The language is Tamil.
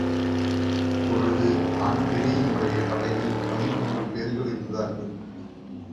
அப்பொழுது தான்பிரீனுடைய படையில் பதிமூன்று பேர்கள் இருந்தார்கள்.